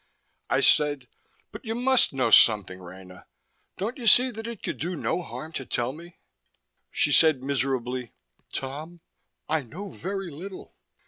I said, "But you must know something, Rena. Don't you see that it could do no harm to tell me?" She said miserably, "Tom, I know very little.